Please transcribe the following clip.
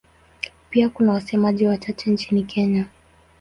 Pia kuna wasemaji wachache nchini Kenya.